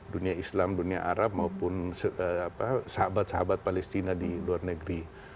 dunia islam dunia arab maupun sahabat sahabat palestina di luar negeri